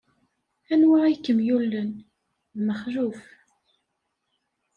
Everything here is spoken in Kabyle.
Anwa ay kem-yullen? D Mexluf.